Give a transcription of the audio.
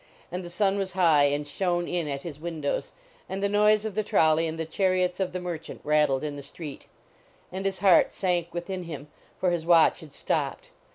And the sun was high and shone in at his windows ; and the noise of the trolley and the chariots of the merchant rattled in the street. And his heart sank within him, for his watch had stopped.